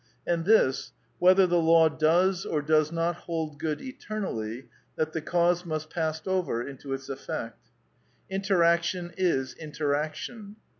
And this, whether the law does or does not hold good eternally, that the cause must pass over into its effect. Interaction is interaction.